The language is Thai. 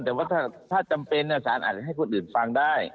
ถ้าจำเป็นน้าอาจารย์ให้คุณอื่นฟังได้